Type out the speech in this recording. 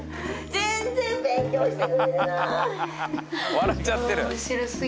笑っちゃってる。